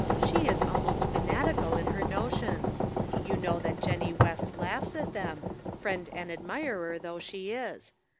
" She is almost fanatical in her notions. You know that Jennie West laughs at them, friend and admirer though she is.